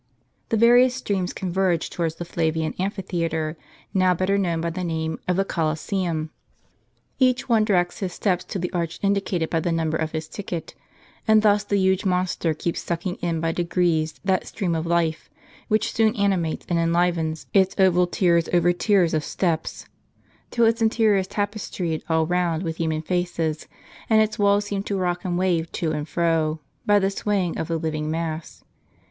The various streams converge towards the Flavian amphitheatre, now better known by the name of the Coliseum. Each one directs his steps to the arch indicated by the number of his ticket, and thus the huge monster keeps sucking in by degrees that stream of life, which soon animates and enlivens its oval tiers over tiers of steps, till its interior is tapestried all round with human faces, and its walls seem to rock and wave to and fro, by the swaying of the living mass.